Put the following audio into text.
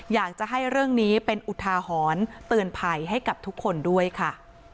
อยากจะให้เรื่องนี้เป็นอุทาหรณ์เตือนภัยให้กับทุกคนด้วยค่ะ